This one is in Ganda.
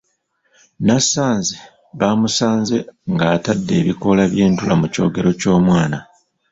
Nasanze baamusanze ng’atadde ebikoola by’entula mu kyogero ky’omwana.